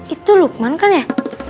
itu lukman kan ya